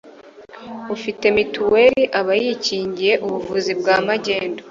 ufite mituweli aba yikingiye ubuvuzi bwa magendu